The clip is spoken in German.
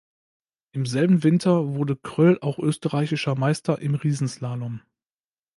Im selben Winter wurde Kröll auch Österreichischer Meister im Riesenslalom.